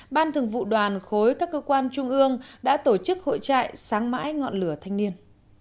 ban thường vụ đoàn khối các cơ quan trung ương đã tổ chức hội trại sáng mãi ngọn lửa thanh niên